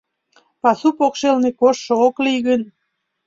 Пасу покшелне кожшо ок лий гын